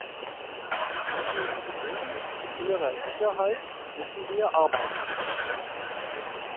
An dem Gewinn an innerer Sicherheit müssen wir arbeiten.